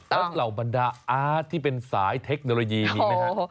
แล้วเหล่าบรรดาอาร์ตที่เป็นสายเทคโนโลยีมีไหมฮะ